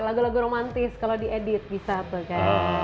lagu lagu romantis kalau di edit bisa tuh kan